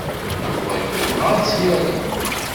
Yuba yebɣa ad tt-yarem.